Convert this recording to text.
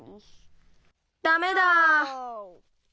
ダメだ。